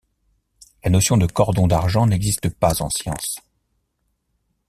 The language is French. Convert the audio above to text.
La notion de cordon d'argent n'existe pas en science.